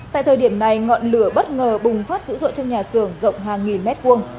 tại thời điểm này ngọn lửa bất ngờ bùng phát dữ dội trong nhà xưởng rộng hàng nghìn mét vuông